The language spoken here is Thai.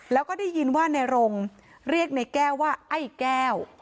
แล้วก็ได้ยินว่าในรงเรียกในแก้วว่าไอ้แก้ว